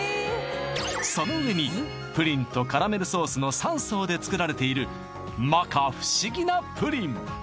その上にプリンとカラメルソースの３層で作られている摩訶不思議なプリン